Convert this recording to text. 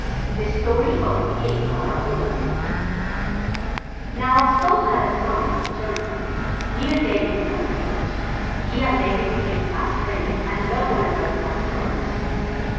THE STORY OF THE CAVE OF ADULLAM Now Saul had a son, Jonathan, near David's own age. He and David became fast friends and loved one another as brothers.